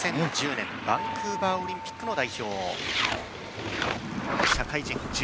２０１０年、バンクーバーオリンピックの代表。